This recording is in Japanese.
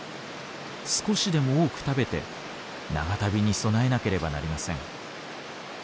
少しでも多く食べて長旅に備えなければなりません。